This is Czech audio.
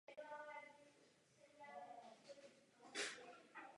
Často se tak v češtině setkáváme s užíváním názvu Americký pohár.